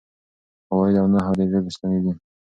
قواعد او نحو د ژبې ستنې دي.